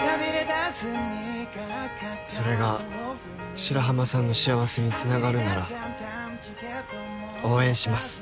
それが白浜さんの幸せにつながるなら応援します。